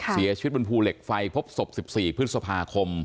เสียชีวิตบนภูเหล็กไฟพบศพ๑๔พฤษภาคม